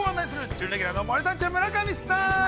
準レギュラーの森三中・村上さん。